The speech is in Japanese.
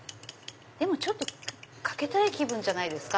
でもかけたい気分じゃないですか？